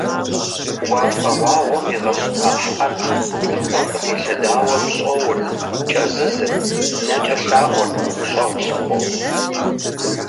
Уафэгъуаугъуэм игъэщта хьэр, пырхъуэм къытелъэдауэ пщӏоурт, кӏэзызырт, нэкӏэ лъаӏуэрт гущӏэгъу лъыхъуэу.